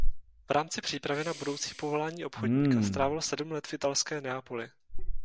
V rámci přípravy na budoucí povolání obchodníka strávil sedm let v italské Neapoli.